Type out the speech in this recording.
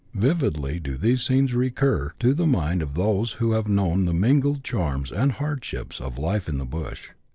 * Vividly do these scenes recur to the mind of those who have known the mingled charms and hardships of " life in the bush."